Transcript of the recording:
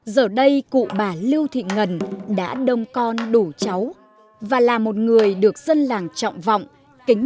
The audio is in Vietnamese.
giờ đây cụ bà lưu thị ngân đã đông con đủ cháu và là một người được dân làng trọng vọng kính